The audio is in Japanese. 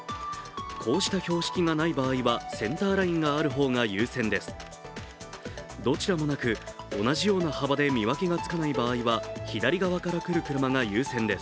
こうした標識がない場合はセンターラインがある方が優先です。